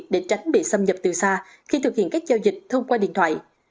để tránh bị xâm nhập từ xa khi thực hiện các giao dịch thông qua điện thoại